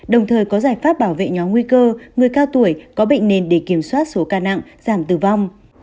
đồng thời có giải pháp bảo vệ nhóm nguy cơ người cao tuổi có bệnh nền để kiểm soát số ca nặng giảm tử vong